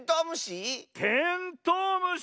テントウムシ？